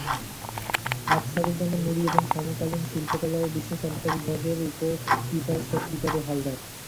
আকছারুজ্জামান নূরী এবং সমকালীন শিল্পকলা ও বিশ্বসভ্যতা বিভাগের উপ কিপার শক্তিপদ হালদার।